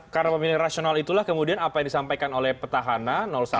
karena pemilihan rasional itulah kemudian apa yang disampaikan oleh petahana satu